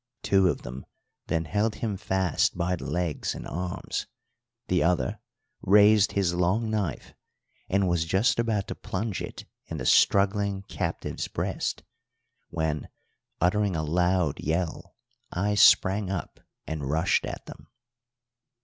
Two of them then held him fast by the legs and arms, the other raised his long knife, and was just about to plunge it in the struggling captive's breast, when, uttering a loud yell, I sprang up and rushed at them.